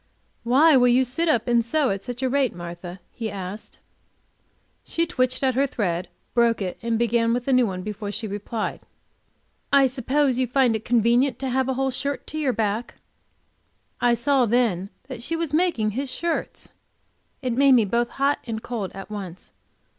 "Why will you sit up and sew at such a rate, Martha?" he asked. She twitched at her thread, broke it, and began with a new one before she replied. "I suppose you find it convenient to have a whole shirt to your back." I saw then that she was making his shirts! It made me both hot and cold at once.